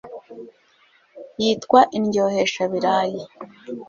Yitwa Indyoheshabirayi